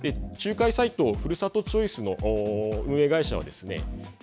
仲介サイト、ふるさとチョイスの運営会社はですね。